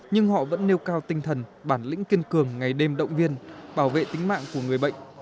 nhưng họ vẫn nêu cao tinh thần bản lĩnh kiên cường ngày đêm động viên bảo vệ tính mạng của người bệnh